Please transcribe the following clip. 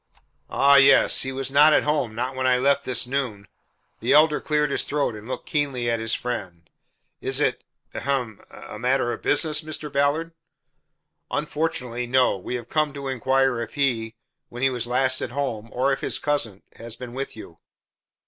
"Ah, yes. He was not at home not when I left this noon." The Elder cleared his throat and looked keenly at his friend. "Is it ahem a matter of business, Mr. Ballard?" "Unfortunately, no. We have come to inquire if he when he was last at home or if his cousin has been with you?"